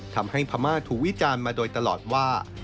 ทำให้พม่าถูกวิจารณ์มาโดยตลอดว่า